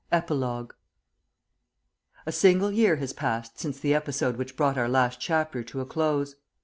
EPILOGUE. A SINGLE year has passed since the episode which brought our last chapter to a close.